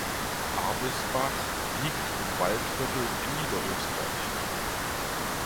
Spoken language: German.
Arbesbach liegt im Waldviertel in Niederösterreich.